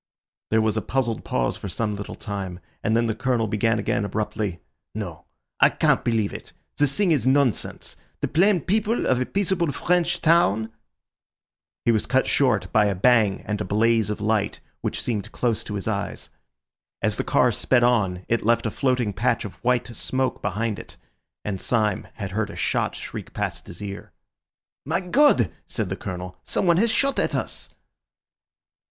There was a puzzled pause for some little time, and then the Colonel began again abruptly— "No, I can't believe it. The thing is nonsense. The plain people of a peaceable French town—" He was cut short by a bang and a blaze of light, which seemed close to his eyes. As the car sped on it left a floating patch of white smoke behind it, and Syme had heard a shot shriek past his ear. "My God!" said the Colonel, "someone has shot at us."